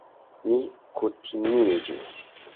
Ni kutimiĝis!